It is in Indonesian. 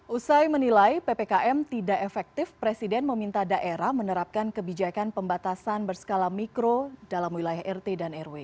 usai menilai ppkm tidak efektif presiden meminta daerah menerapkan kebijakan pembatasan berskala mikro dalam wilayah rt dan rw